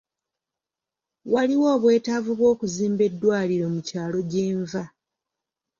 Waliwo obwetaavu bw'okuzimba eddwaliro mu kyalo gye nva.